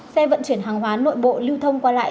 xe vận chuyển hàng hóa nội bộ lưu thông qua lại